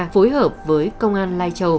phối hợp với công an lai châu